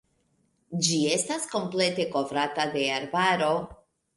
Ĝi estas komplete kovrata de arbaro.